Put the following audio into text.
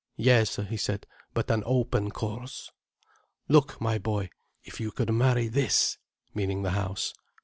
"Yes," he said. "But an open course—" "Look, my boy—if you could marry this—" meaning the house.